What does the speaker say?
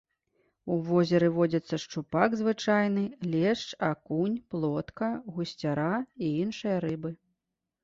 У возеры водзяцца шчупак звычайны, лешч, акунь, плотка, гусцяра і іншыя рыбы.